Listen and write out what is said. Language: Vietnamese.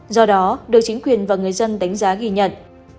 do đó được chính quyền và người dân đánh giá ghi nhận